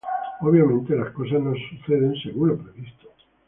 Obviamente, las cosas no suceden según lo previsto.